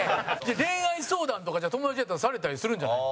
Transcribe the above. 恋愛相談とか、友達やったらされたりするんじゃないの？